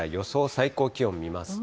最高気温見ますと。